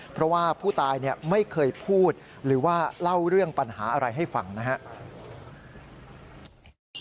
เพราะว่าผู้ตายไม่เคยพูดหรือว่าเล่าเรื่องปัญหาอะไรให้ฟังนะครับ